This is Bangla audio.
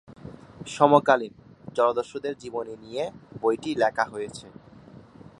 সমকালীন জলদস্যুদের জীবনী নিয়ে বইটি লেখা হয়েছে।